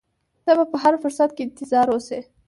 ته په هر فرصت کې انتظار اوسه.